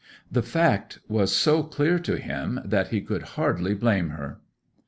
The fact was so clear to him that he could hardly blame her.